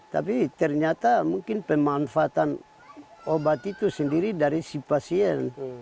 tapi ternyata mungkin pemanfaatan obat itu sendiri dari si pasien